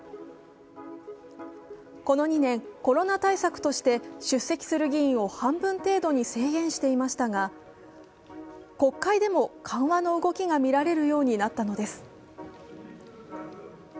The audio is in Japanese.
この２年、コロナ対策として出席する議員を半分程度に制限していましたが、国会でも緩和の動きが見られるようになったのです。